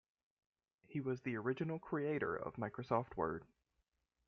He was the original creator of Microsoft Word.